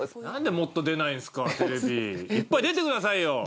何でもっと出ないんすかテレビいっぱい出てくださいよ！